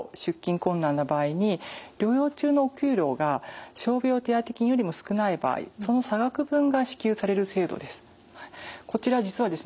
困難な場合に療養中のお給料が傷病手当金よりも少ない場合その差額分が支給される制度です。